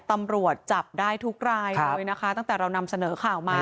ตำรวจจับได้ทุกรายเลยนะคะตั้งแต่เรานำเสนอข่าวมา